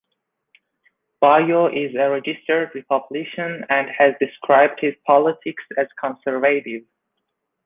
Baio is a registered Republican and has described his politics as conservative.